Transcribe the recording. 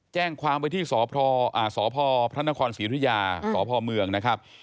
แจ้งความไว้ที่สพพระนครศรีธุยาสพเมืองนะครับ